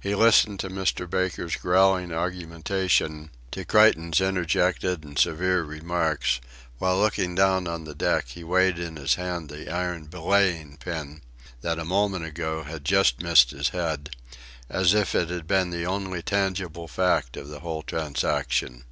He listened to Mr. Baker's growling argumentation, to Creighton's interjected and severe remarks, while looking down on the deck he weighed in his hand the iron belaying pin that a moment ago had just missed his head as if it had been the only tangible fact of the whole transaction.